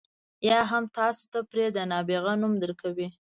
یا هم تاسو ته پرې د نابغه نوم درکوي.